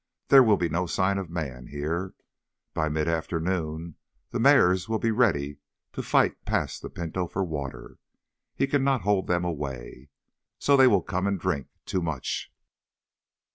There will be no sign of man here. By mid afternoon the mares will be ready to fight past the Pinto for water. He can not hold them away. So, they will come and drink—too much.